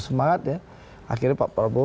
semangat ya akhirnya pak prabowo